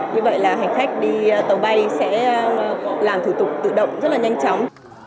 như vậy là hành khách đi tàu bay sẽ làm thủ tục tự động rất là nhanh chóng